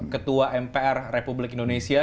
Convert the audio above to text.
ketua mpr republik indonesia